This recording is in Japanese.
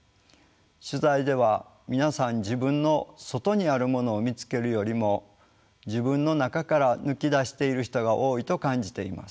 取材では皆さん自分の外にあるものを見つけるよりも自分の中から抜き出している人が多いと感じています。